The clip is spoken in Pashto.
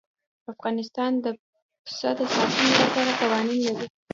افغانستان د پسه د ساتنې لپاره قوانین لري.